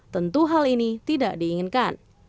tentu hal ini tidak diinginkan